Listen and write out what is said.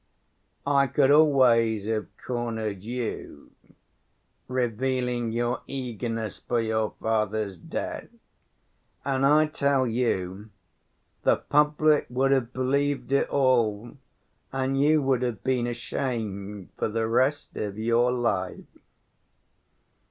I could always have cornered you, revealing your eagerness for your father's death, and I tell you the public would have believed it all, and you would have been ashamed for the rest of your life."